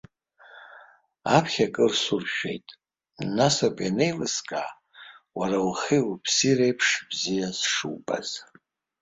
Аԥхьа кыр суршәеит, насоуп ианеилыскаа уара ухи уԥси реиԥш бзиа сшубаз.